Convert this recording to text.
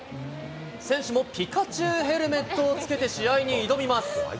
選手もピカチュウヘルメットをつけて試合に挑みます。